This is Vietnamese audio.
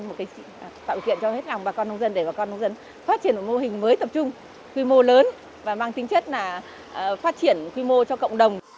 tạo điều kiện cho hết lòng bà con nông dân để bà con nông dân phát triển một mô hình mới tập trung quy mô lớn và mang tính chất là phát triển quy mô cho cộng đồng